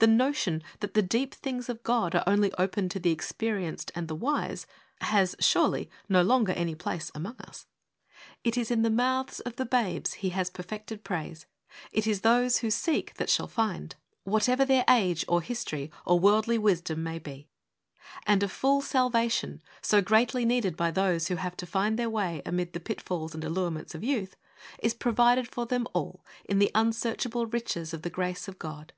The notion that the deep things of God are only open to the experienced and the wise, has, surely, no longer any place among us. It is in the mouths of the babes He has perfected praise ; it is those who seek that shall find. Vlll THE WAY OF HOLINESS whatever their age or history or worldly wisdom may be ; and a Full Salvation, so greatly needed by those who have to find their way amid the pitfalls and allurements of youth, is provided for them all in the unsearchable riches of the grace of God.